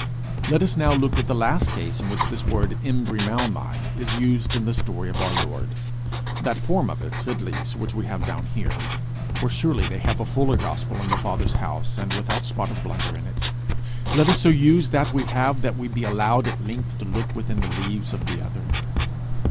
Let us now look at the last case in which this word [Greek: embrimaomai] is used in the story of our Lord that form of it, at least, which we have down here, for sure they have a fuller gospel in the Father's house, and without spot of blunder in it: let us so use that we have that we be allowed at length to look within the leaves of the other!